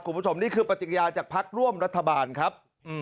คุณผู้ชมนี่คือปฏิญาจากพักร่วมรัฐบาลครับ